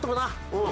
うん。